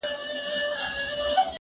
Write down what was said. زه پرون د تکړښت لپاره وم!!